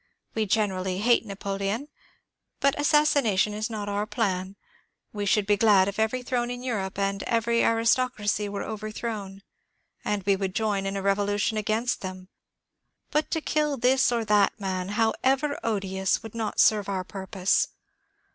We generally hate Napoleon, but assassination is not our plan. We should be glad if every throne in Europe and every aris> tocracy were overthrown, and we would join in a revolution against them ; but to kill this or that man, however odious, would not serve our purpose.